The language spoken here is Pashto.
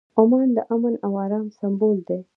عمان د امن او ارام سمبول دی.